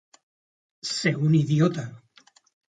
Ser un idiota.